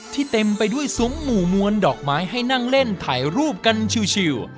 เต็มไปด้วยซุ้มหมู่มวลดอกไม้ให้นั่งเล่นถ่ายรูปกันชิล